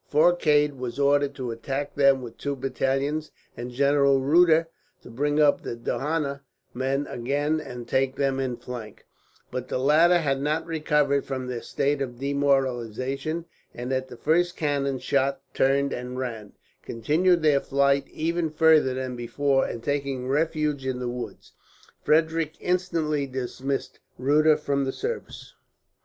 Forcade was ordered to attack them with two battalions, and General Rutter to bring up the Dohna men again and take them in flank; but the latter had not recovered from their state of demoralization, and at the first cannon shot turned and ran, continuing their flight even further than before, and taking refuge in the woods. Frederick instantly dismissed Rutter from the service.